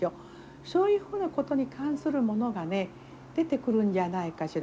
そういうふうなことに関するものがね出てくるんじゃないかしら。